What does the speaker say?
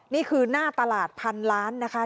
นี่คือหน้าตลาดพันล้านนะคะ